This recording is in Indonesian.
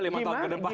lima tahun ke depan